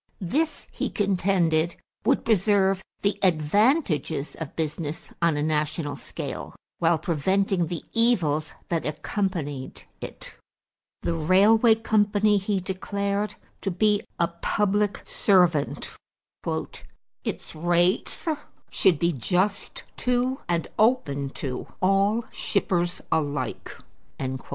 This, he contended, would preserve the advantages of business on a national scale while preventing the evils that accompanied it. The railway company he declared to be a public servant. "Its rates should be just to and open to all shippers alike."